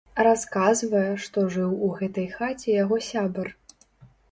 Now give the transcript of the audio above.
Расказвае, што жыў у гэтай хаце яго сябар.